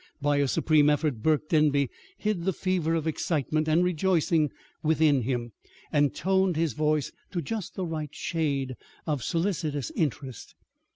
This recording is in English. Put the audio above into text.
By a supreme effort Burke Denby hid the fever of excitement and rejoicing within him, and toned his voice to just the right shade of solicitous interest.